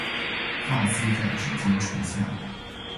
发丝在指间垂下